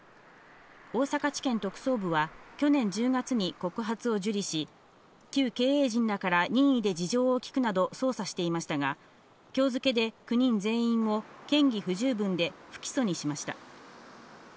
大阪地検特捜部は、去年１０月に告発を受理し、旧経営陣らから任意で事情を聴くなど、捜査していましたが、きょう付けで９人全員を、嫌疑不十分で不起訴にしました。